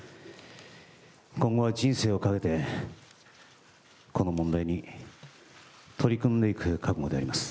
今後は人生をかけて、この問題に取り組んでいく覚悟であります。